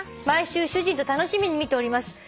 「毎週主人と楽しみに見ております」